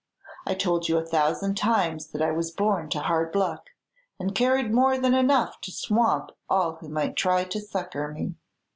I told you a thousand times that I was born to hard luck, and carried more than enough to swamp all who might try to succor me.